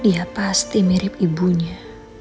ya pasti mirip ibunya